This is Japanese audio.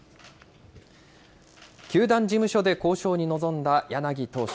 球団事務所で交渉に臨んだ柳投手。